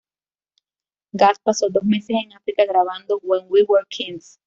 Gast pasó dos meses en África grabando "When We Were Kings".